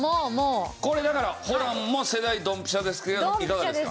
これだからホランも世代ドンピシャですけどいかがですか？